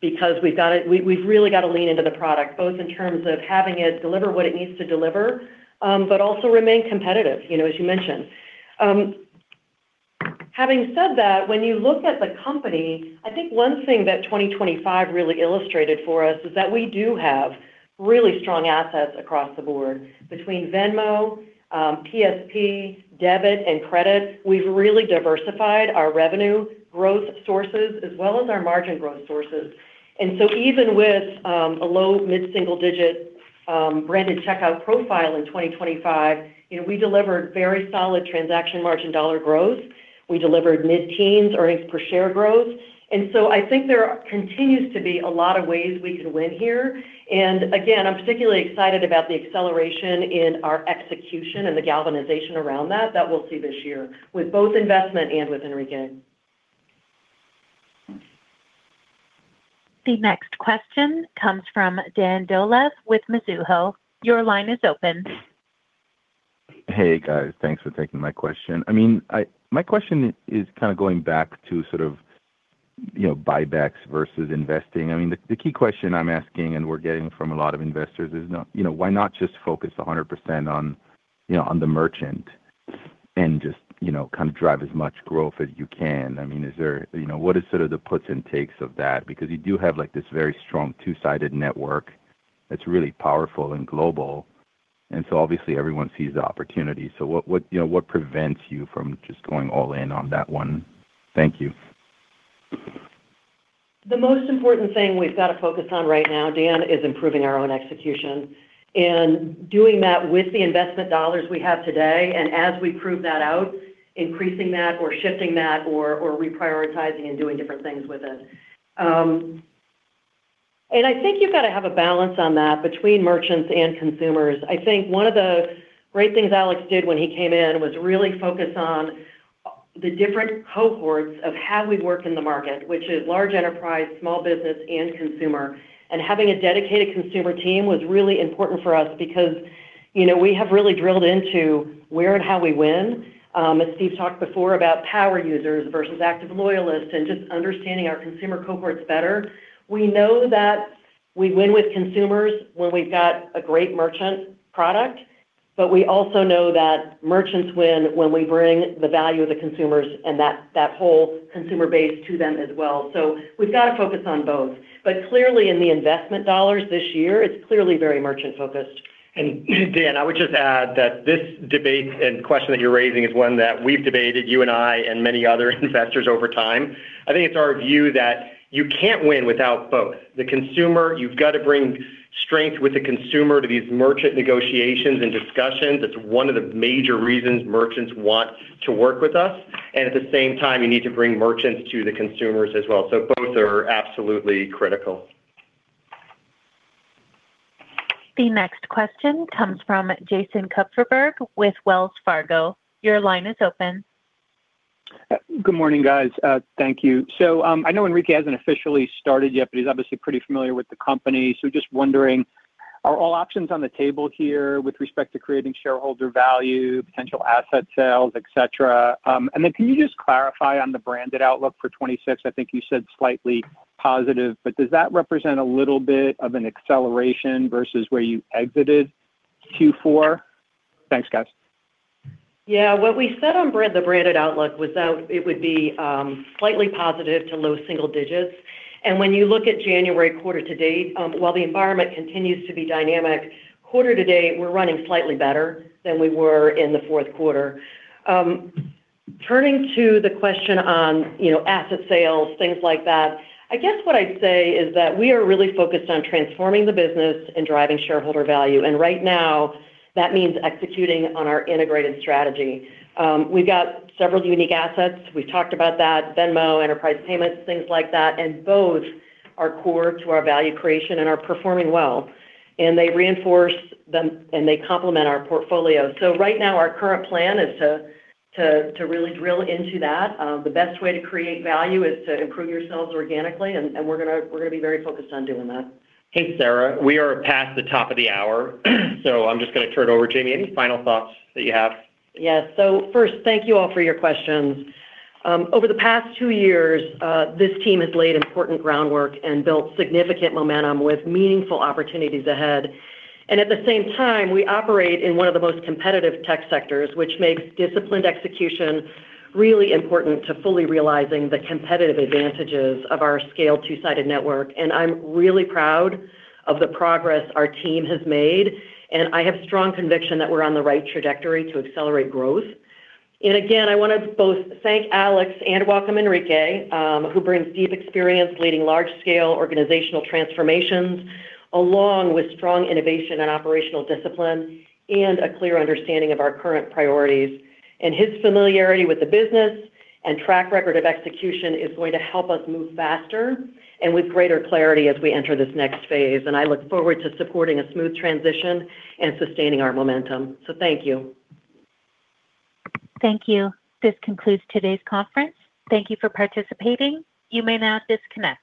because we've gotta, we've really got to lean into the product, both in terms of having it deliver what it needs to deliver, but also remain competitive, you know, as you mentioned. Having said that, when you look at the company, I think one thing that 2025 really illustrated for us is that we do have really strong assets across the board. Between Venmo, PSP, debit, and credit, we've really diversified our revenue growth sources as well as our margin growth sources. And so even with a low- to mid-single-digit branded checkout profile in 2025, you know, we delivered very solid transaction margin dollar growth. We delivered mid-teens earnings per share growth. And so I think there continues to be a lot of ways we can win here. And again, I'm particularly excited about the acceleration in our execution and the galvanization around that, that we'll see this year with both investment and with Enrique. The next question comes from Dan Dolev with Mizuho. Your line is open. Hey, guys. Thanks for taking my question. I mean, my question is kind of going back to sort of, you know, buybacks versus investing. I mean, the key question I'm asking, and we're getting from a lot of investors, is, you know, why not just focus 100% on, you know, on the merchant and just, you know, kind of drive as much growth as you can? I mean, is there... You know, what is sort of the puts and takes of that? Because you do have, like, this very strong two-sided network that's really powerful and global, and so obviously everyone sees the opportunity. So what, you know, what prevents you from just going all in on that one? Thank you. The most important thing we've got to focus on right now, Dan, is improving our own execution and doing that with the investment dollars we have today, and as we prove that out, increasing that or shifting that or reprioritizing and doing different things with it. I think you've got to have a balance on that between merchants and consumers. I think one of the great things Alex did when he came in was really focus on the different cohorts of how we work in the market, which is large enterprise, small business, and consumer. Having a dedicated consumer team was really important for us because, you know, we have really drilled into where and how we win. As Steve talked before about power users versus active loyalists and just understanding our consumer cohorts better. We know that we win with consumers when we've got a great merchant product, but we also know that merchants win when we bring the value of the consumers and that, that whole consumer base to them as well. So we've got to focus on both. But clearly, in the investment dollars this year, it's clearly very merchant-focused. Dan, I would just add that this debate and question that you're raising is one that we've debated, you and I, and many other investors over time. I think it's our view that you can't win without both. The consumer, you've got to bring strength with the consumer to these merchant negotiations and discussions. It's one of the major reasons merchants want to work with us, and at the same time, you need to bring merchants to the consumers as well. So both are absolutely critical. The next question comes from Jason Kupferberg with Wells Fargo. Your line is open. Good morning, guys. Thank you. So, I know Enrique hasn't officially started yet, but he's obviously pretty familiar with the company. So just wondering, are all options on the table here with respect to creating shareholder value, potential asset sales, et cetera? And then can you just clarify on the branded outlook for 2026? I think you said slightly positive, but does that represent a little bit of an acceleration versus where you exited Q4? Thanks, guys. Yeah. What we said on branded, the branded outlook was that it would be slightly positive to low single digits. And when you look at January quarter to date, while the environment continues to be dynamic, quarter to date, we're running slightly better than we were in the fourth quarter. Turning to the question on, you know, asset sales, things like that, I guess what I'd say is that we are really focused on transforming the business and driving shareholder value, and right now, that means executing on our integrated strategy. We've got several unique assets. We've talked about that, Venmo, enterprise payments, things like that, and both are core to our value creation and are performing well, and they reinforce them, and they complement our portfolio. So right now, our current plan is to really drill into that. The best way to create value is to improve yourselves organically, and we're gonna be very focused on doing that. Hey, Sarah, we are past the top of the hour, so I'm just gonna turn it over. Jamie, any final thoughts that you have? Yes. So first, thank you all for your questions. Over the past two years, this team has laid important groundwork and built significant momentum with meaningful opportunities ahead. And at the same time, we operate in one of the most competitive tech sectors, which makes disciplined execution really important to fully realizing the competitive advantages of our scale two-sided network. And I'm really proud of the progress our team has made, and I have strong conviction that we're on the right trajectory to accelerate growth. And again, I want to both thank Alex and welcome Enrique, who brings deep experience leading large-scale organizational transformations, along with strong innovation and operational discipline and a clear understanding of our current priorities. And his familiarity with the business and track record of execution is going to help us move faster and with greater clarity as we enter this next phase. I look forward to supporting a smooth transition and sustaining our momentum. Thank you. Thank you. This concludes today's conference. Thank you for participating. You may now disconnect.